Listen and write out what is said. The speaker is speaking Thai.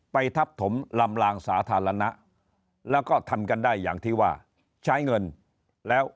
ทับถมลำลางสาธารณะแล้วก็ทำกันได้อย่างที่ว่าใช้เงินแล้ว